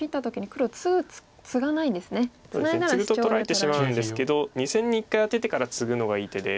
ツグと取られてしまうんですけど２線に一回アテてからツグのがいい手で。